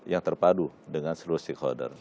yang terpadu dengan seluruh stakeholder